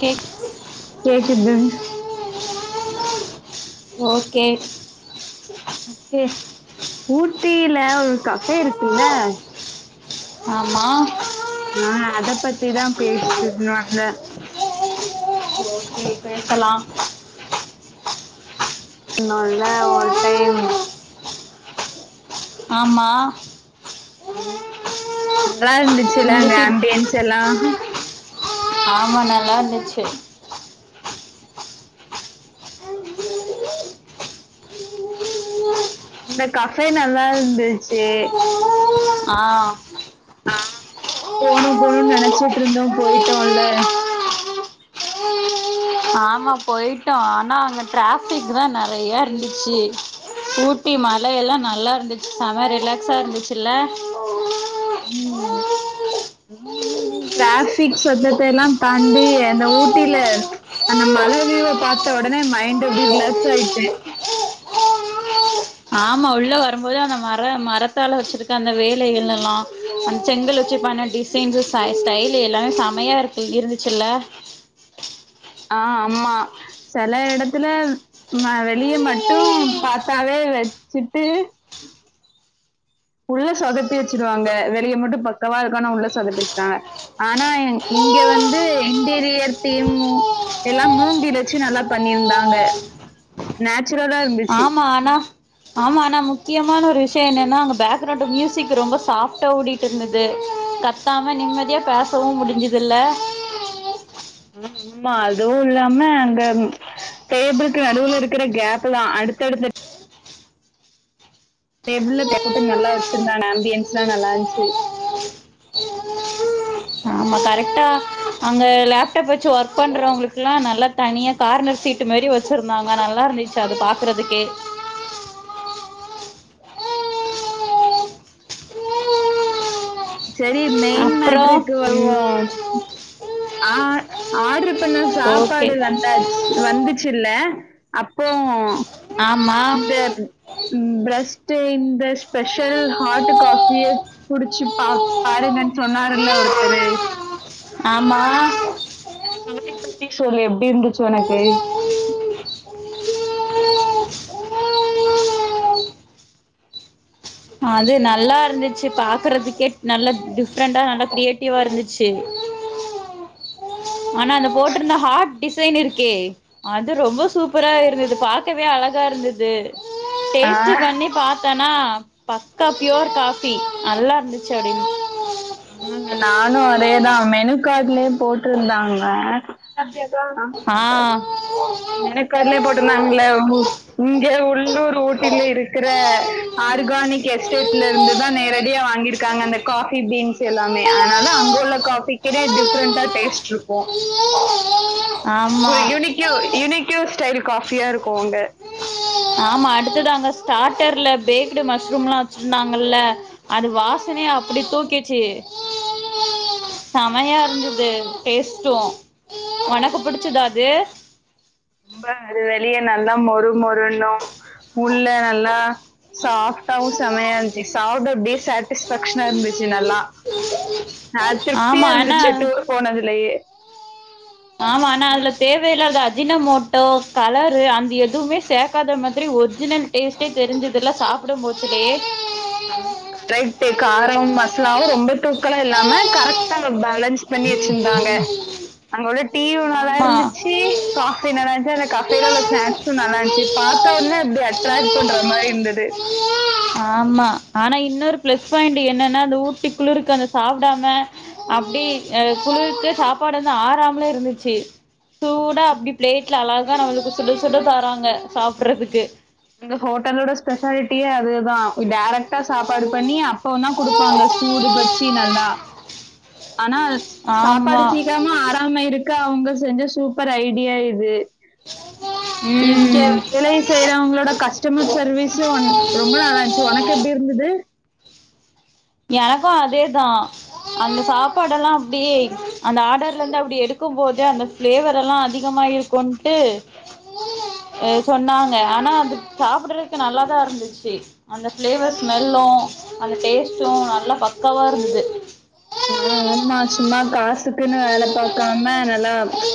Cake கேக்குது okay கே ஊட்டில ஒரு கஃப்பை இருக்குல ஆமா ஆஹ் அத பத்திதான் பேசுவாங்க ஓகே பேசலாம் இல்ல ஒரு டைம் ஆமா உம் நல்லா இருந்துச்சுல்ல இந்த அங்க சீட் ஆம்பியன்ஸ் எல்லாம் ஆமா நல்லாருந்துச்சு அந்த கஃபே நல்லா இருந்துச்சு ஆஹ் ஆஹ் போணும் போணும்னு நெனைச்சிட்டு இருந்தோம் போயிட்டோம்ல்ல ஆமா போயிட்டோம் ஆனா அங்க டிராஃபிக் தான் நெறையா இருந்துச்சு ஊட்டி மழ எல்லாம் நல்லா இருந்துச்சு செம ரிலாக்ஸா இருந்துச்சுல்ல ட்ராஃபிக் சொத்தத்தை எல்லாம் தாண்டி அந்த ஊட்டில அந்த மல வியூவ் பாத்த உடனே மைண்ட் எப்படி ரிலாக்ஸ் ஆயிட்டேன் இருந்துச்சுல்ல ஆமா உள்ள வரும்போது அந்த மர மரத்தால வச்சதுக்கு அந்த வேலைகள் எல்லாம் அந்த செங்கல் வச்சு பன்ன டிசைன்ஸ் ஸ்டைல் எல்லாமே செமையா இருக் இருந்துச்சுல்ல ஆஹ் ஆமா சில இடத்துல வெளிய மட்டும் பாத்தாவே வச்சுட்டு உள்ள சொதப்பி வச்சிருவாங்க வெளிய மட்டும் பக்கவா இருக்கும் உள்ள சொதப்பிச்சுட்டாங்க ஆனா இங்க வந்து இன்டரியர் தீம் எல்லாம் மூங்கில் வச்சு நல்லா பண்ணிருந்தாங்க நேச்சுரலா இருந்துச்சு ஆமாம் ஆனா முக்கியமான ஒரு விஷயம் என்னென்னா அங்க பேக்ரவுண்ட மியூசிக் ரொம்ப சாஃப்ட்டா ஓடிட்டு இருந்தது கத்தாம நிம்மதியா பேசவும் முடிஞ்சுதில்ல ஆஹ் ஆமா அதுவும் இல்லாம அங்க டேபிக்கு நடுவுல இருக்கற கேப்ல்லான் அடுத்தடுத்து டேப்ளேல [inaudible] நல்லா வச்சிருந்தாங்க ஆம்பியன்ஸ் எல்லாம் நல்லா இருந்துச்சு ஆமா கரெக்டா அங்க லேப்டாப் வச்சு ஒர்க் பண்றவங்களுக்கெல்லாம் நல்லா தனியா கார்னர் சீட்டு மாதிரி வச்சிருந்தாங்க நல்லா இருந்துச்சு அது பாக்குறதுக்கே செரி மெயின் அப்புறம் மேட்ருக்கு ம் வருவோம் ஆ ஆடரு இப்னா ஓகே சாப்பாடு வந்தாச்ச வந்துச்சுல்ல அப்போ ஆமா பிரஸ்ட்ட் இந்த ஸ்பெஷல் ஹாட் காபிய குடிச்சு பா பாருங்கன்னு சொன்னருல்ல ஒருத்தறு ஆமா அந்த காபி குடிக்க சொல்லி எப்டி இருந்துச்சு உனக்கு அது நல்லா இருந்துச்சு பாக்குறதுக்கே நல்ல டிஃப்ரெண்டா நல்ல கிரியேட்டிவா இருந்துச்சு ஆனா அந்த போட்டிருந்த ஹா்ட் டிசைன் இருக்கே அது ரொம்ப சூப்பரா இருந்தது பாகவே அழகா இருந்தது ஆ, டேஸ்ட் பண்ணி பத்த னா பக்கா பியூர் காஃபி நல்லா இருந்துச்சு அப்டின்னு உ நானும் அதேதான் மெனுக்கடலே போட்டுருந்தாங்க அப்டியா ஆ எனக்குஅதுல போட்டுதாங்களே இங்க உள்ளூர் ஊட்டில இருக்கிற ஆ ஆர்கானிக் எஸ்டேட்ல இருந்து தான் நேரடியா வாங்கிரு இருக்காங்க அந்த காஃபி பீன்ஸ் எல்லாமே அதனால அங்க உள்ள காஃபிக்கே டிஃப்ரெண்டா டேஸ்ட் இருக்கும் [inaudible] ஆமா ஸ்டைல் காஃபியா இருக்கும் அங்க ஆமா அடுத்ததா அங்க ஸ்டாட்டர்ல பேக்டு மஷ்ரூம்லாம் வச்சிருந்தாங்கல்ல அது வாசனையே அப்டி தூக்கிச்சு செமையா ஆ ஆ இருந்துது டேஸ்ட் [unintelligible] ஆமா. ஒணக்கு புடிச்சதா அது ரொம்ப அது வெளிய நல்லா மொறு மொறுணும் உள்ள நல்லா சாஃப்டாவும் செமையா இருந்துச்சு சாப்ட அப்டியே சாட்டிஸ்பேக்ஷனா இருந்துச்சு நல்லா நான திருப்தியா ஆமா ஆனா இருந்துச்சு டூர் போனதுலேயே ஆமா ஆனா அதுல தேவயில்லாத அஜின மோட்டோ கலரு அந்த எதுவுமே சேக்காத மாரி ஒரிஜினல் டேஸ்ட்டே தெரிஞ்சதுல்ல சாப்டும் போச்சுலயே ஆ கரெக்ட் காரம் மச்லாவும் ரொம்ப தூக்காளம் இல்லாம கரெக்டா பேலன்ஸ் பண்ணி வச்சிருந்தாங்க அங்க உள்ள டீயும் நல்லா ஆமா இருந்துச்சு காஃபி நல்லா இருந்துச்சு அந்த காஃபேல உள்ள ஸ்நாக்ஸும் நல்லா இருந்துச்சு பாத்த ஒடனே அப்டி அட்ராக்ட் பண்ற மாரி இருந்தது ஆமா ஆனா இன்னொரு பிளஸ் பாயிண்ட் என்னன்னா அந்த ஊட்டி குளிருக்கு அந்த சாப்டாம அப்டி குளிருக்கு சாப்பாடு வந்து ஆறாமலே இருந்துச்சு சூடா அப்டி பிளேட்ல அழகா நம்மளுக்கு சுட சுட தராங்க சாப்றதுக்கு அந்த ஹோட்டலோட ஸ்பெஷாலிட்டியே அதுதா டேரக்ட். கா சாப்பாடு பண்ணி அப்போ தான் குடுப்பாங்க சூடு வச்சி நல்லா. ஆனா சாப்பாடு ஆமா சீக்கிரமா ஆராம இருக்க. அவுங்க செஞ்ச சூப்பர் ஐடியா இது. இங்க ம் வேலை செய்றவங்களோ. கஸ்டமர் சர்வீஸும் ரொம்ப நல்லாருந்துச்சு ஒனக்கு எப்படி இருந்தது. எனக்கும் அதேதா அந்த சாப்பாடெல்லாம் அப்டியே அந்த ஆர்டர்ல இருந்து அப்டி எடுக்கும்போதே அந்த பிளேவர் எல்லாம் அதிகாம இருக்கும்ட்டு சொன்னாங்க ஆனா அது சாப்றதுக்கு நல்லாதா இருந்துச்சு அந்த பளேவர் ஸ்மெல்லும் அந்த டேஸ்ட். ம் நல்லா பக்காவா இருந்தது. ஆ ஆமா சும்மா காசுக்குன்னு வேல பாக்காம நல்லா ம்ச்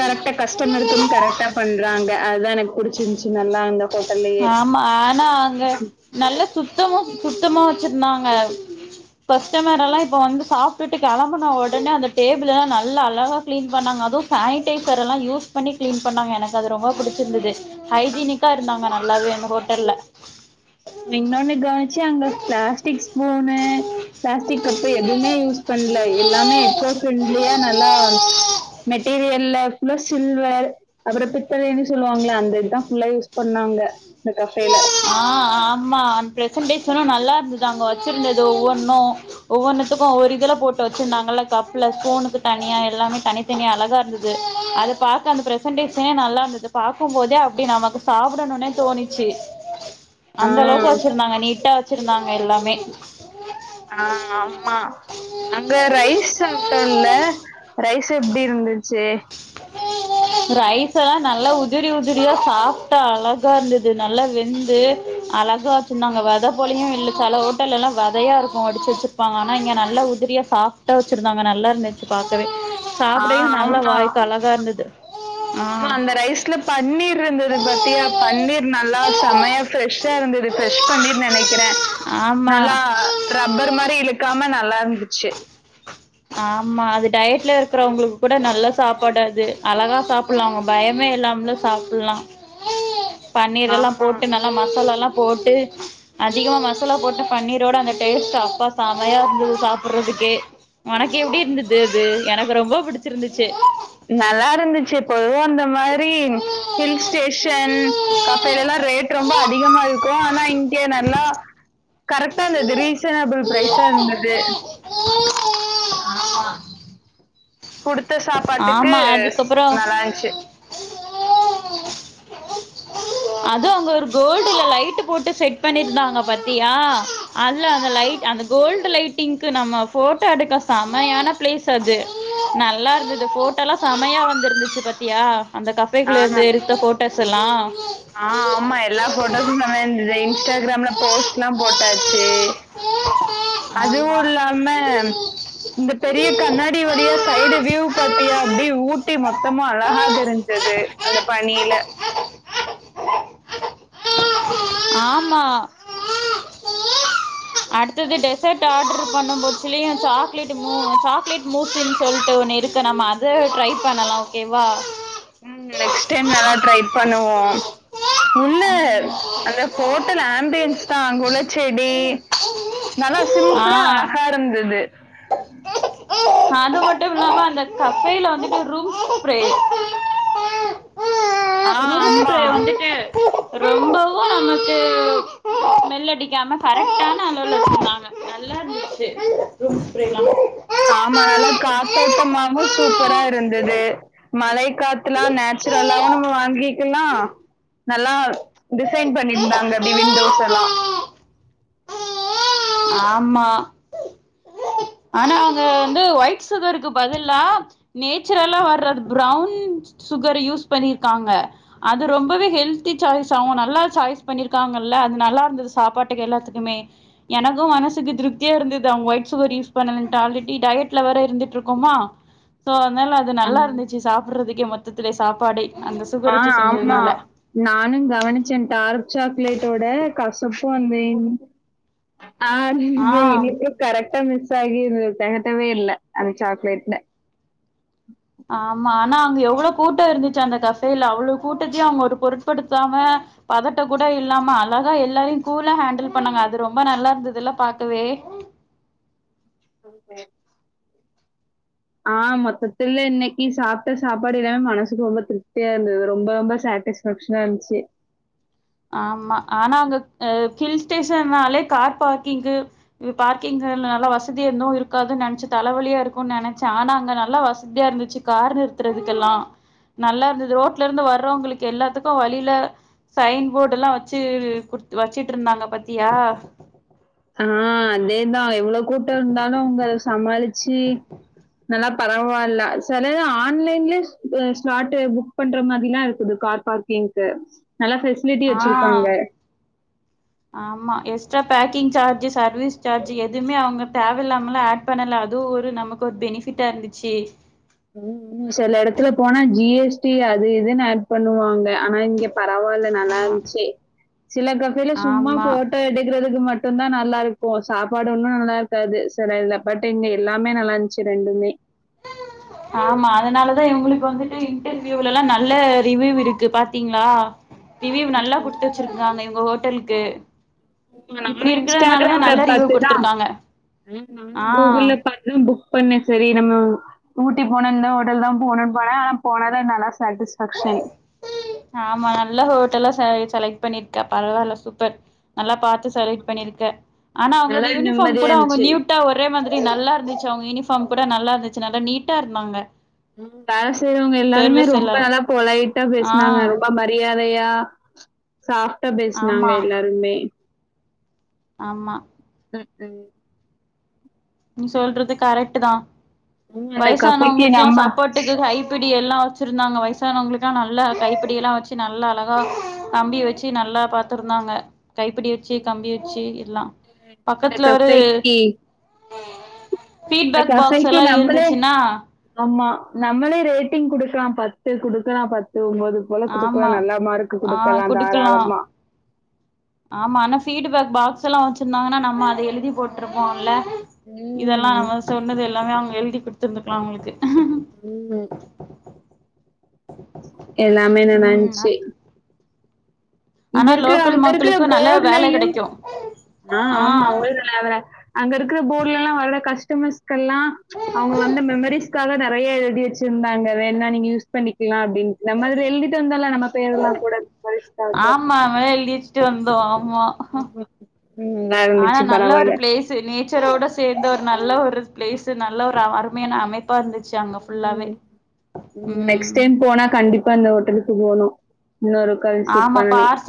கரெக்டா கஸ்டமருக்குன்னு கரெக்டா பண்றாங்க அதுதான் எனக்கு புடிச்சிருந்துச்சு நல்லா அந்த ஹோட். ஆமா ஆனா அங்க நல்ல. சுத்தமா சுத்தமா வச்சுருந்தாங்க கஸ்டமரெல்லாம் இப்போ வந்து சாப்பிட்டுட்டு கெளம்புன ஒடனே அந்த டேபிளல்லாம் நல்லா அழகாக க்ளீன் பண்ணாங்க அதுவும் சோனிடைசரெல்லாம் யூஸ் பண்ணி க்ளீன் பண்ணாங்க எனக்கு அது ரொம்ப புடிச்சிருந்தது. ஹைஜீனிக்கா இருந்தாங்கா. நல்லாவே அந்த ஹோட்டல்ல. இன்னொன்னு கவனிச்சே அங்க பிளாஸ்டிக் ஸ்பூனு பிளாஸ்டிக் கப்பு எதுவுமே யூஸ் பண்ல எல்லாமே எக்கோ ஃப்ரெண்ட்லியா நல்லா ம்ச் மெட்டீரியல்ல. ஃபுல்லா சில்வர் அப்புறோம் பித்தலைன்னு சொல்லுவாங்கள அந்த இதுதான் ஃபுல்லா யூஸ் பண்ணாங்க. அந்த கஃபேல. ஆ ஆமா அந்த ப்ரசன்டேஷனும் நல்லா இருந்தது அங்க வச்சிருந்தது ஒவ்வொன்னும் ஒவ்வொன்னுத்துக்கும் ஒரு இதுல போட்டு வச்சிருந்தாங்கல்ல கப்ல ஸ்பூனுக்கு தனியா எல்லாமே தனி தனி அழகா இருந்தது அத பாக்க அந்த ப்ரசென்டேஷனே நல்லா இருந்தது பாக்கும் போதே அப்டி நமக்கு சாப்பிடணும்னே தோணிச்சு. ச்சு. ஆ. அந்த அளவுக்கு வச்சிருந்தாங்க நீட்டா வச். வச்சிருந்தாங்க எல்லாமே. ஆஹ ஆமா அங்க ரைஸ் சாப்ட்டோல்ல ரைஸ். எப்படி இருந்தது. ச்சே. ரைஸ் எல்லாம் நல்லா உதிரி உதிரியா சாஃட்டா அழகா இருந்தது நல்லா வெந்து அழகா வச்சிருந்தாங்க வித போலையும் இல்ல சில ஹோட்டல்ல எல்லாம் விதையா இருக்கும் வடிச்சு வச்சிருப்பாங்க ஆனா இங்க நல்லா உதிரியா சாப்ட்டா வச்சிருந்தாங்க நல்லா இருந்துச்சு பாக்கவே. ஆஹ சாப்பிடையு ஆம். நல்லா ஆஹ வாய்க்கு அழகா இருந்தது ஆமா ஆ அந்த ரைஸ்ல பன்னீர் இருந்தது பத்தியா பன்னீர் நல்லா செமையா ஃப்ரெஷ். ஃப்ரெஷா இருந்து ஃப்ரெஷ் பன்னீர் நனைக்கிறே. ஆமா நல்லா ரப்பர் மாரி இழுக்காம ந. நல்லா இருந்துச்சு. ஆமா அது டயட்ல இருக்கறவங்களுக்கு கூட நல்லா சாப்பாடது அழகா சாப்பிடலாம் அவங்க பயமே இல்லாமலு சாப்பிடலாம். பன்னீர்ல்லாம் ஆமா. போட்டு நல்லா மசாலாம். போட்டு அதிகமா மசாலா போட்ட பன்னீரோட அந்த டேஸ்ட் அப்பா செமையா இருந்து சாப்பிடுறதுக்கே. உனக்கு எப்படி இருந்தது அது எனக்கு ரொம்ப புடிச்சிருந்துச்சு. நல்லா இருந்துச்சு பொதுவாந்த. இந்த மாரி ஹில் ஸ்டேஷன் கப்பேலல்லாம் ரேட் ரொம்ப அதிகமா இரு. இருக்கும் ஆனா இங்க நல்லா கரெட்டா இருந்தது ரீசனபிள் ப்ரைஸா இருந்தது ஆமா கொடுத் த்த சாப்பாட்டுக்கு ஆமா நல்லாந்துச்சு அதுவும் அங்க ஒரு கோல்டுல லைட் போட்டு செட் பண்ணிருந்தாங்க பத்தியா அல்ல அந்த அந்த கோல்டு லைட்டிங்க்கு நம்ம போட்டோ எடுக்க செமையான பிளேஸ் அது நல்லா இருந்து அ போட்டோ எல்லாம் செம்மையா வந்திருந்துச்சு பாத்தியா அந்த கஃபேக்குள்ள ஆஹ் இருந்து எடுத்த போட்டோஸ் எல்லாம் ஆஹ் ஆமா எல்லா போட்டோஸம் செம்மையருந்துது இன்ஸ்டாகிராம்ல போஸ்ட் எல்லாம் போட்டாச்சு ச்சு அதுவும் ஆமா இல்லாம ஆமா இந்த பெரிய கண்ணாடி வழியா சைடு வியூ பாத்தியா அப்படி ஊட்டி மொத்த மொத்தமும் அழகா தெருஞ்சது அந்த பணியில ஆமாம் அடுத்தது டெசர்ட் ஆட்ரு பண்ணும் போதுச்சுல சாக்லேட் மூச்சின் சாக்லேட் மூச்சின் சொல்லிட்டு ஒன்று இருக்கு நம் அதை ட்ரை பண்ணலாம் ஓகேவா உம் நெக்ஸ் டைம் நல்லா டரை பண்ணுவோம் உள்ள அந்த ஹோட்டல் ஆம்பியன்ஸ் தான்அங்வுல்லச்செடி நல்லா சிம்பிளா ஆ அழகா இருந்தது இது அது மட்டும் இல்லாம அந்த கப்பைல வந்துட்டு ரூம்ஸ் ப்ரோ ஆஹ் ஆம்மா ரொம்பவும் நமக்கு ஸ்மெல் அடிக்காம கரெக்டான அளவில் வச்சுருந்தாங்க நல்லா இருந்துச்சு ரூம் ஸ்பிரேஎல்லாம் ஆமா நல்ல காத்தோட்டமாகவும் சூப்பரா இருந்தது மழை காத்துலாம் நேச்சுரலாவும் நம்ம வாங்கிக்கலாம் நல்லா டிசைன் பண்ணியிருந்தாங்க அப்டி விண்டோஸ் எல்லாம் ஆமா ஆனா அவங்க வந்து ஒயிட் சுகருக்கு பதிலா நேச்சுரலா வர்றது பிரௌன் சுகர் யூஸ் பண்ணிருக்காங்க அது ரொம்பவே ஹெல்தி சாய்ஸ் ஆகும் நல்லா சாய்ஸ் பண்ணிருக்காங்கள்ல அது நல்லா இருந்தது சாப்பாட்டுக்கு எல்லாத்து எனக்கும் மனசுக்கு திருப்தியா இருந்தது ஒய் சுகர் யூஸ் பண்ண ஆல்ரெடி டயட்லவேர இருந்துட்டுருக்கோமா சோ அது நல்லா ம். இருந்துச்சு சாப்புரத்துக்கே மொத்தத் இந்த சாப்பாடே அந்த சுகர் ஆஹ் வச்சு ஆமா செஞ்சதுனால நானும் கவனிச்சேன் தாரு சாக்லேட்யோட கசப்ப வந்தேன் ஆஹ் ஆ இனிப்பே கரெக்ட் ம மிஸ் ஆகி இரு தெகட்டவே இல்ல அந்த சாக்கலேட்ல ஆமா ஆனா அவங்க எவ்வளவு கூட்டம் இருந்துச்சு அந்த கசையில அவ்வளவு கூட்டத்தையும் அவங்க ஒரு பொருட்படுத்தாம பதட்ட கூட இல்லாம அழகா எல்லாரையும் கூல ஹேண்டில் பண்ணாங்க அது ரொம்ப நல்லா இருந்ததுல்ல பாக்கவே ஃபில் கேப் ஆஹ் மொத்தத்துல இன்னைக்கு சாப்பிட்ட சாப்பாடு எல்லாமே மனசுக்கு ரொம்ப திருப்தியா இருந்தது ரொம்ப ரொம்ப சாட்டிஸ்பேக்ஷனா இருந்துச்சு ஆமா ஆனா அங்க அஹ் ஹில் ஸ்டேஷன்னாலே கார் பார்க்கிங்கு பார்க்கிங்க நல்லா வசதி இருந்தும் இருக்காதுனு நினைச்சு தலைவலியா இருக்கும்ன்னு நினைச்சேன் ஆனாங்க நல்லா வசதியா இருந்துச்சு கார் நிறுத்துறதுக்கெல்லாம் நல்லா இருந்துது ரோட்ல இருந்து வர்றவங்களுக்கு எல்லாத்துக்கும் வழியில சைன் போர்ட எல்லாம் வச்சு குடு வச்சுட்டு இருந்தாங்க பத்தியா ஆஹ் அதேதான் எவ்வளவு கூட்டம் இருந்தாலும் அவங்க அத சமாளிச்சு நல்லா பரவாயில்ல சிலது ஆன்லைன்லயே ஸ்பாட்டு் புக் பண்ற மாதிரிலாம் இருக்குது கார் பார்க்கிங்க்கு நல்லா ஃபெசிலிட்டி ஆஹ் வச்சிருக்காங்க. ஆமா எஸ்டாபேக்கிங் சார்ஜி சர்வீஸ் சார்ஜ் எதுவுமே அவங்க தேவையில்லாமல ஆட் பண்ணல அதுவும் ஒரு நமக்கு ஒரு பெனிபிட்டா இருந்துச்சு உ சில இடத்துல போனா ஜிஎஸ்டி அது இதுன்னு ஆட் பண்ணுவாங்க ஆனா இங்க ஆமா [unintelligible] சில கஃபேயில சும்மா ஆமா போட்டோ எடுக்கிறது இக்கு மட்டும் தான் நல்லா இருக்கும் சாப்பாடு ஒன்னும் நல்லா இருக்காது சில இல பட் இங்க எல்லாமே நல்லா இருந்துச்சு ரெண்டுமே ஆமா அதனாலதான் இவுங்களுக்கு வந்து இன்டர்வியூல எல்லாம் நல்ல ரிவியூ இருக்கு பாத்தீங்களா ரிவியூ ம், நல்லா ம், குடுத்து ம். வச்சிருக்காங்கவங்க ஹோட்டலுக்கு [unintelligible] நானும் இப்டி இருக்கறனாலதா இன்ஸ்டாகிராம்ல நல்ல ரிவ்யூ பாத்துதான் குடுத்துருக்காங்க நானும் கூகுள் ஆ பாத்தூ புக் பண்ணேன் செரி நம்ம ஊட்டி போன இந்தந்த ஹோட்டல் தான் போகும்ன்னனு போனேன் ஆனா போனத நல்லா சாட்டிஸ்பேக்ஷன் ஆமா நல்லா ஹோட்டல்லா செலக்ட் பண்ணிருக்கே பரவாயில்ல சூப்பர் நல்லா பாத்து செலக்ட் பண்ணிருக்க ஆனா அவங்களோட நல்லா யூனிபார்ம் நிம்மதியா கூட அவங்க இருந்துச்சு. நியூட்டா ஒரேமாரி நல்லா இருந்துச்சு அவங்க யூனிஃபார்ம் கூட நல்லா இருந்துச்சு நல்லா நீட்டா இருந்தாங்க ம் வேல செய்றவங்க எல்லாருமே சர்வீஸ் ரொம்ப எல்லாரு நல்லா பொழகிட்டா ஆ பேசினாங்க அப்ப மரியாதையா சாப்டா பேசினாங்க ஆமா எல்லாருமே ஆமா [unintelligible] நீ சொல்றது கரெக்ட்டு தான் ம் அந்த கஃபேக்கு வயசானவங்களுக்கெல்லாம் நம்ம சப்போர்ட்டுக்கு கைப்பிடி எல்லாம் வச்சிருந்தாங்க வயசானவங்களுக்கு எல்லாம் நல்லா கைப்பிடி எல்லாம் வச்சு நல்லா அழகா கம்பி வச்சு நல்லா பாத்துருந்தாங்க கைப்பிடி வச்சு கம்பி வச்சு எல்லாம் இந்த பக்கத்துல ஒரு கஃபேக்கு இந்த பீட்பேக் பாக்ஸ் கஃபேக்கு எல்லாம் நம்மளே இருந்துச்சுனா ஆமா. நம்மளே ரேட்டிங் குடுக்கலாம் பத்து குடுக்கறாம் பத்து போது போல ஆமா குடுக்கலாம் நல்லா மார்க் ஆ குடுக்கலாம் குடுக்கலா தாராளமா ஆமா ஆனா பீட்பேக் பாகஸ் எல்லாம் வச்சிருந்தாங்கன்னா நம்ம அத எழுதி போட்டிருப்போம்ல்ல இதெல்லாம் ம். நம்ம சொன்னது எல்லாமே அவங்க ஹெல்தி குடுத்திருந்துக்கலாம் உங்களுக்கு ம் எல்லாமே நனஞ்ச்சு ம் இங்க ஆனா இருக்கிற லோக்கல் அங்க இருக்கிற மக்களுக்கு நல்ல வேல போட்லயயும் கெடைக்கு ஆ ஆமா அவல [unintelligible] அங்க இருக்கிற போர்ட்ல எல்லாம் வர்ற கஷ்டமர்ஸ் ல்லாம் அவங்க வந்த மெமரிஸ்க்காக நெறைய எழுதி வச்சிருந்தாங்க என்ன நீங்க யூஸ் பண்ணிக்கலாம் அப்டின்னுட்டு நம்ம அதுல எழுதிட்டு வந்தர்லாம் நம்ம பேரு எல்லாம் கூடா [unintelligible] தான் எழுதிவச்சுட்டு வந்தோம் ஆமா ஆமா. ம். நல்லா ஆனா இருந்துச்சு நல்ல ஒரு பரவால்ல. பிளேஸ் நேச்சரோட சேர்ந்து ஒரு நல்ல ஒரு பிளேஸ் நல்ல ஒரு அருமையான அமைத்து உம் நெக்ஸ்ட் ம் டைம் போனா கண்டிப்பா இந்த ஹோட்டலுக் க்கு போனும் இன்னொருக்க விசிட் ஆமா பண்ணணும் பார்சல்